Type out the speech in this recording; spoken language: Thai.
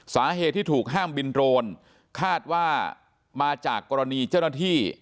สาเหตุที่ถูกห้ามบินโรนคาดว่ามาจากกรณีเจ้าหน้าที่